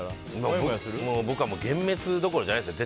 僕は幻滅どころじゃないですよ。